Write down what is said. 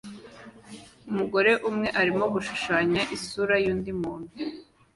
Umugore umwe arimo gushushanya isura yundi muntu